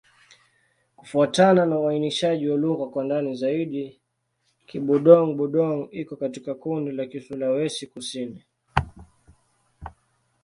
Kufuatana na uainishaji wa lugha kwa ndani zaidi, Kibudong-Budong iko katika kundi la Kisulawesi-Kusini.